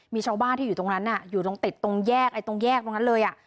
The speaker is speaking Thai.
มีชาวบ้านที่อยู่ตรงนั้นอยู่ตรงติดตรงแยกตรงแยกตรงนั้นเลยอ่ะ